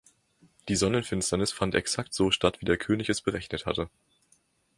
Die Sonnenfinsternis fand exakt so statt, wie der König es berechnet hatte.